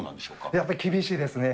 やっぱり厳しいですね。